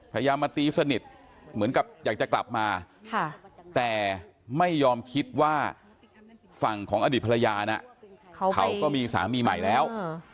พยายามมาตีสนิทเหมือนกับอยากจะกลับมาแต่ไม่ยอมคิดว่าฝั่งของอดีตภรรยานะเขาก็มีสามีใหม่แล้ว